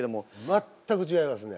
全く違いますね。